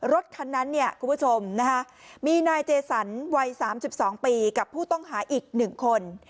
รถคันนั้นเนี่ยคุณผู้ชมมีนายเจสันวัย๓๒ปีกับผู้ต้องหาอีก๑คน